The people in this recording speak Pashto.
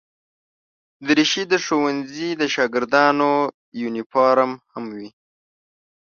دریشي د ښوونځي د شاګردانو یونیفورم هم وي.